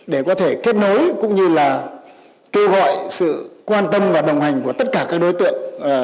để có thể kết nối cũng như là kêu gọi sự quan tâm và đồng hành của tất cả các đối tượng